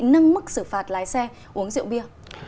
nâng mức xử phạt lái xe uống rượu bia